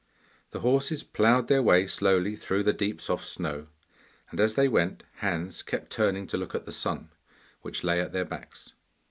The horses ploughed their way slowly through the deep soft snow and as they went Hans kept turning to look at the sun, which lay at their backs.